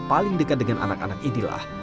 paling dekat dengan anak anak inilah